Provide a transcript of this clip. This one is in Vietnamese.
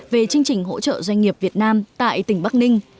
về chương trình hỗ trợ doanh nghiệp việt nam tại tỉnh bắc ninh